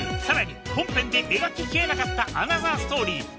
さらに本編で描ききれなかったアナザーストーリー